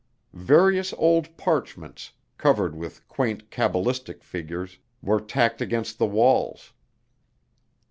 Various old parchments, covered with quaint cabalistic figures, were tacked against the walls.